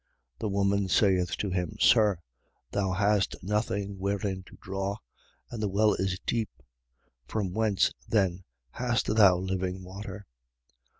4:11. The woman saith to him: Sir, thou hast nothing wherein to draw, and the well is deep. From whence then hast thou living water?